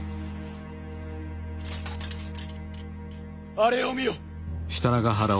あれを見よ。